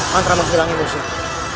mantra menghilang imusnya